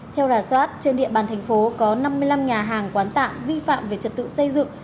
theo rà soát trên địa bàn thành phố có năm mươi năm nhà hàng quán tạm vi phạm về trật tự xây dựng